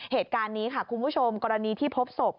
เหตุการณ์นี้ค่ะคุณผู้ชมกรณีที่พบศพ